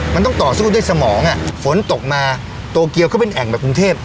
มันต้องต่อสู้ด้วยสมองฝนตกมาโตเกียวเขาเป็นแอ่งแบบกรุงเทพ